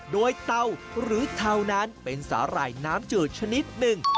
โดยเตาหรือเทานั้นเป็นสาหร่ายน้ำจืดชนิดหนึ่ง